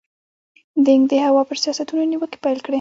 دینګ د هوا پر سیاستونو نیوکې پیل کړې.